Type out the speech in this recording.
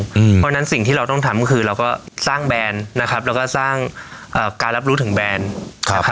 เพราะฉะนั้นสิ่งที่เราต้องทำก็คือเราก็สร้างแบรนด์นะครับแล้วก็สร้างการรับรู้ถึงแบรนด์